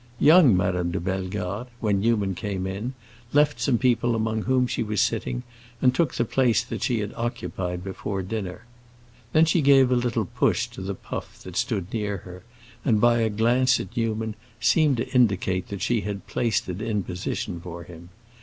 Young Madame de Bellegarde, when Newman came in, left some people among whom she was sitting, and took the place that she had occupied before dinner. Then she gave a little push to the puff that stood near her, and by a glance at Newman seemed to indicate that she had placed it in position for him.